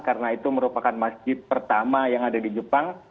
karena itu merupakan masjid pertama yang ada di jepang